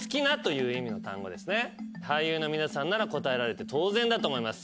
俳優の皆さんなら答えられて当然だと思います。